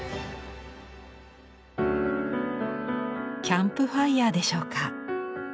キャンプファイアでしょうか。